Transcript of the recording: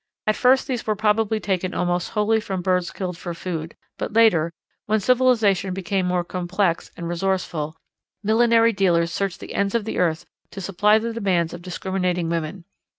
At first these were probably taken almost wholly from birds killed for food, but later, when civilization became more complex and resourceful, millinery dealers searched the ends of the earth to supply the demands of discriminating women.